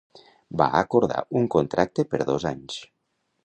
Va acordar un contracte per dos anys.